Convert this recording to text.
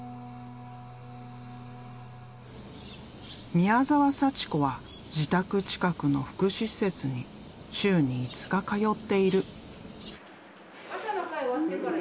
宮澤祥子は自宅近くの福祉施設に週に５日通っている。